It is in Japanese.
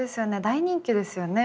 大人気ですよね。